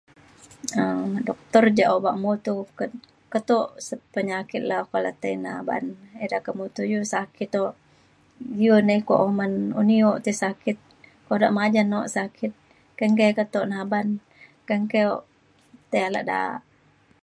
um dokter ja obak mutu uket keto s- penyakit la pa la tei na oban ida ka mutu iu sakit o iu ni ko umen un iu o tai sakit kodak majan o sakit ke engke ketuk naban ke engke o tai alak da'a